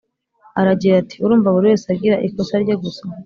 aragira ati" urumva buri wese agira isoko rye gusa